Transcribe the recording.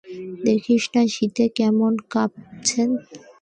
দেখছিস না, শীতে কেমন কাপছেন!